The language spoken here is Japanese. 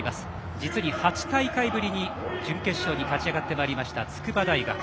実に８大会ぶりに準決勝に勝ち上がってきました筑波大学。